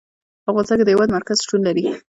په افغانستان کې د هېواد مرکز شتون لري.